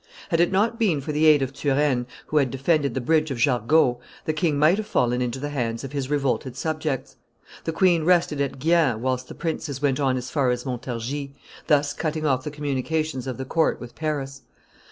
Had it not been for the aid of Turenne, who had defended the bridge of Jargeau, the king might have fallen into the hands of his revolted subjects. The queen rested at Gien whilst the princes went on as far as Montargis, thus cutting off the communications of the court with Paris.